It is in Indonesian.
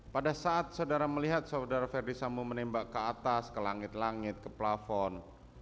pada saat saudara melihat saudara ferdisambo menembak ke atas ke langit langit ke plafon